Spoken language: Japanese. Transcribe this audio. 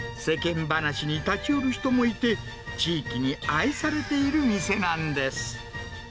世間話に立ち寄る人もいて、地域に愛されている店なんです。